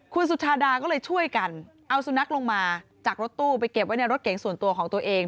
คุณสุชาดาก็เลยช่วยกันเอาสุนัขลงมาจากรถตู้ไปเก็บไว้ในรถเก๋งส่วนตัวของตัวเอง